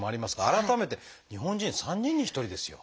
改めて日本人３人に１人ですよ。